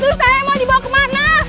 terus saya mau dibawa kemana